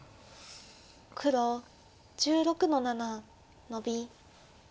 黒１６の七ノビ。